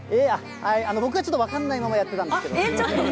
僕はちょっと分かんないままやってたんですけど。